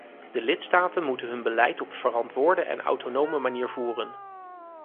De lidstaten moeten hun beleid op verantwoorde en autonome manier voeren.